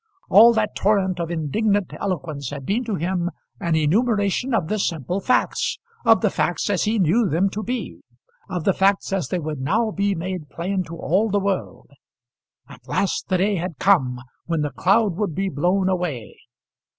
All that torrent of indignant eloquence had been to him an enumeration of the simple facts, of the facts as he knew them to be, of the facts as they would now be made plain to all the world. At last the day had come when the cloud would be blown away.